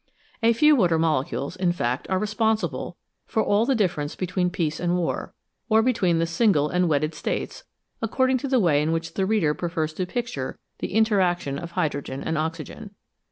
A few water molecules, in fact, are responsible for all the difference between peace and war, or between the single and wedded states accord ing to the way in which the reader prefers to picture the interaction of hydrogen and oxygen.